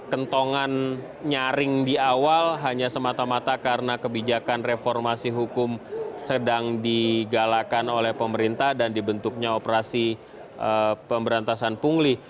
kentongan nyaring di awal hanya semata mata karena kebijakan reformasi hukum sedang digalakan oleh pemerintah dan dibentuknya operasi pemberantasan pungli